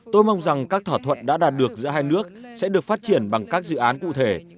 tôi mong rằng các thỏa thuận đã đạt được giữa hai nước sẽ được phát triển bằng các dự án cụ thể